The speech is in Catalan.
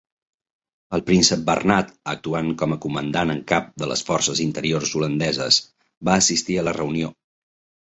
El príncep Bernat, actuant com a comandant en cap de les Forces Interiors Holandeses, va assistir a la reunió.